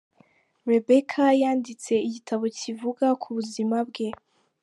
Rebekah yanditse igitabo kivuga ku buzima bwe.